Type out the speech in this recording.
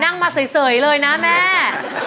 นั่งมาเสื่อเลยนะแม่